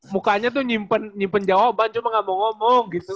mukanya tuh nyimpen jawaban cuma gak mau ngomong gitu